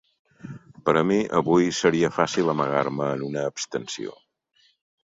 Per a mi avui seria fàcil amagar-me en una abstenció.